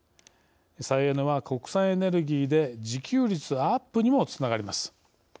再エネは国産エネルギーで自給率アップにもつながります。